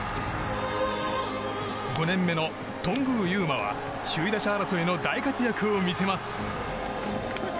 ５年目の頓宮裕真は首位打者争いの大活躍を見せます。